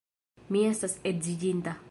Mi estas edziĝinta.